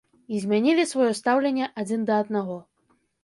І змянілі сваё стаўленне адзін да аднаго.